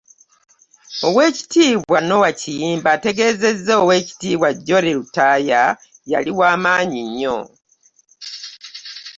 Oweekitiibwa Noah Kiyimba ategeezezza nti Oweekitiibwa Jolly Lutaaya yali wa maanyi nnyo.